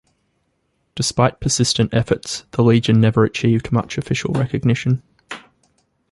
Despite persistent efforts, the Legion never achieved much official recognition.